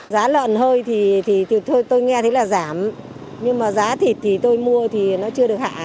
giá lợn hơi thì thôi tôi nghe thấy là giảm nhưng mà giá thịt thì tôi mua thì nó chưa được hạ